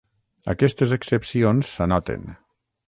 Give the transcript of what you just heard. Aquestes excepcions s'anoten.